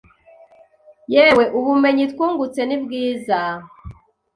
yewe ubumenyi twungutse ni bwiza